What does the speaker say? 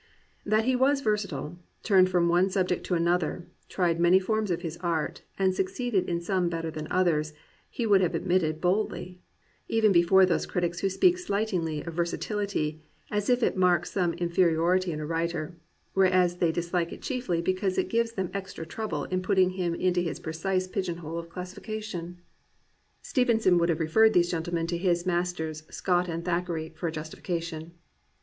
That he was versatile, turned from one subject to another, tried many forms of his art, and suc ceeded in some better than in others, he would have admitted boldly — even before those critics who speak slightingly of versatiUty as if it marked some inferiority in a writer, whereas they dislike it chiefly because it gives them extra trouble in putting him into his precise pigeonhole of classification. Steven 367 COMPANIONABLE BOOKS son would have referred these gentlemen to his mas ters Scott and Thackeray for a justification.